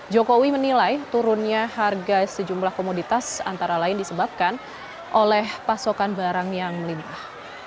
jokowi menilai turunnya harga sejumlah komoditas antara lain disebabkan oleh pasokan barang yang melimpah